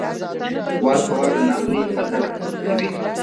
وار په وار د ناامنۍ فضا رامنځته کوي.